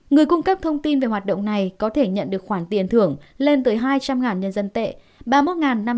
người cung cấp thông tin về hoạt động này có thể nhận được khoản tiền thưởng lên tới hai trăm linh nhân dân tệ ba mươi một năm trăm bảy mươi đô